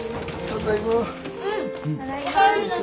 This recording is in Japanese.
ただいま。